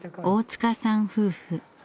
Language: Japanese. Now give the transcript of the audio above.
大塚さん夫婦。